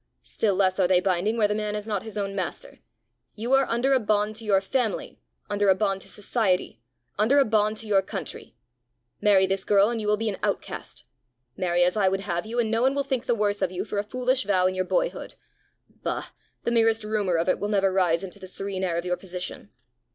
Still less are they binding where the man is not his own master! You are under a bond to your family, under a bond to society, under a bond to your country. Marry this girl, and you will be an outcast; marry as I would have you, and no one will think the worse of you for a foolish vow in your boyhood. Bah! the merest rumour of it will never rise into the serene air of your position."